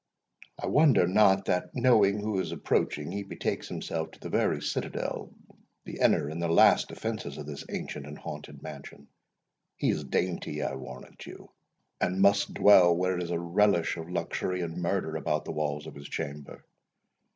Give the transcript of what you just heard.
I wonder not that, knowing who is approaching, he betakes himself to the very citadel, the inner and the last defences of this ancient and haunted mansion. He is dainty, I warrant you, and must dwell where is a relish of luxury and murder about the walls of his chamber.